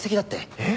えっ？